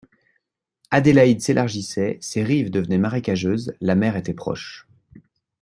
Adélaïde s’élargissait ; ses rives devenaient marécageuses ; la mer était proche.